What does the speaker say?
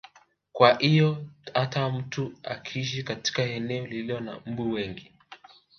Kwa hivyo hata mtu akiishi katika eneo lililo na mbu wengi